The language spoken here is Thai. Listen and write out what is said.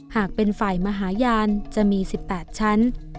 หากเป็นฝ่ายมหาญาณจะมี๑๘ชั้น